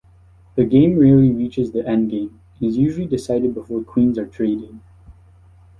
The game rarely reaches the endgame and is usually decided before queens are traded.